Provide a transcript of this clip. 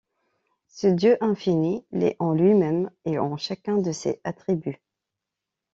Ce Dieu-Infini l'est en lui-même et en chacun de ses attributs.